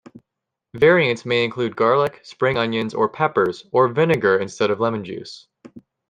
Variants may include garlic, spring onions, or peppers, or vinegar instead of lemon juice.